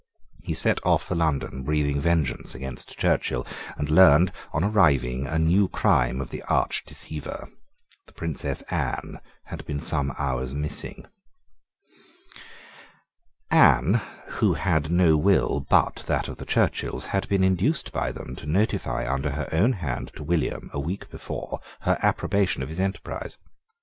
He set off for London, breathing vengeance against Churchill, and learned, on arriving, a new crime of the arch deceiver. The Princess Anne had been some hours missing. Anne, who had no will but that of the Churchills, had been induced by them to notify under her own hand to William, a week before, her approbation of his enterprise.